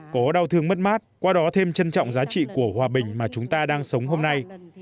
có đau thương mất mát qua đó thêm trân trọng giá trị của hòa bình mà chúng ta đang sống hôm nay